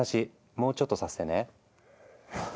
もうちょっとさせてね。